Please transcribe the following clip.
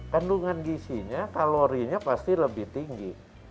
kandungan gisinya kalorinya pasti lebih tinggi